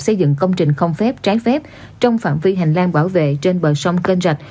xây dựng công trình không phép trái phép trong phạm vi hành lang bảo vệ trên bờ sông kênh rạch